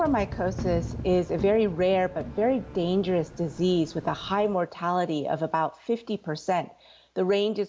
ไม่อยู่ทางแห่งวิธีความดังขอย